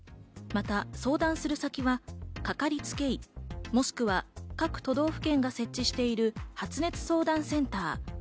また、相談する先はかかりつけ医、もしくは各都道府県が設置している発熱相談センター。